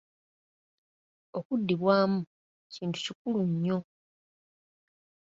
Okuddibwamu kintu kikulu nnyo.